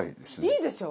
いいでしょ？